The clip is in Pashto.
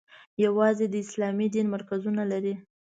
یوازې د اسلامي دین مرکزونه لري.